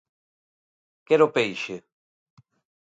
Quero peixe!